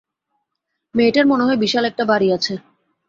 মেয়েটার মনে হয় বিশাল একটা বাড়ি আছে।